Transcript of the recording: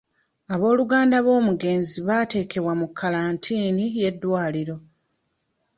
Obooluganda b'omugenzi baateekebwa mu kkalantiini y'eddwaliro.